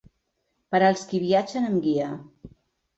Per als qui viatgen amb guia.